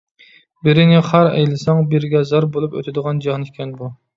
بىرىنى خار ئەيلىسەڭ، بىرىگە زار بولۇپ ئۆتىدىغان جاھان ئىكەن بۇ.